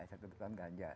satu ton ganja